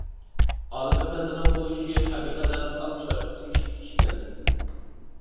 ئالىپ ئەپەندىنىڭ بۇ ئىشى ھەقىقەتەن ئالقىشلاشقا تېگىشلىك ئىشكەن.